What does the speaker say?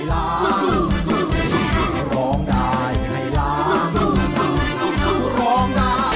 ร้องได้ให้ล้าง